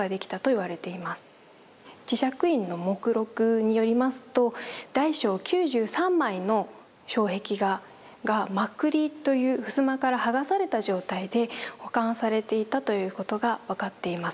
智積院の目録によりますと大小９３枚の障壁画が「まくり」という襖から剥がされた状態で保管されていたということが分かっています。